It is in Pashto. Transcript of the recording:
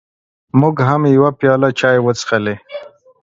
موږ هم یوه پیاله چای وڅښلې.